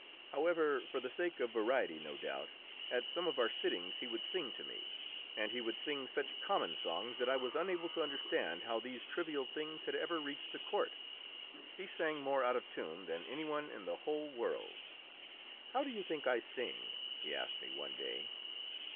However, for the sake of variety no doubt, at some of our sittings he would sing to me, and he would sing such common songs that I was unable to understand how these trivial things had ever reached the court. He sang more out of tune than any one in the whole world. "How do you think I sing?" he asked me one day.